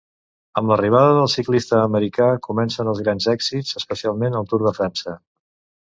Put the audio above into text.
Amb l'arribada del ciclista americà comencen els grans èxits, especialment al Tour de França.